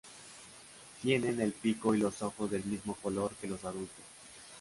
Tienen el pico y los ojos del mismo color que los adultos.